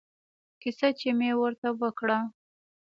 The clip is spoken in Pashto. کيسه چې مې ورته وکړه.